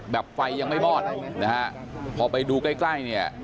แบบไฟยังไม่มอดพอไปดูใกล้นี่